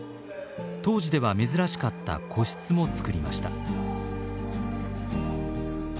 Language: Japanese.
当時では珍しかった個室も作りました。